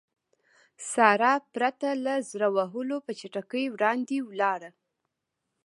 سارا پرته له زړه وهلو په چټکۍ وړاندې ولاړه.